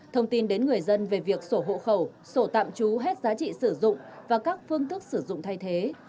thông tin đến người dân về việc sổ hộ khẩu sổ tạm trú hết giá trị sử dụng và các phương thức sử dụng thay thế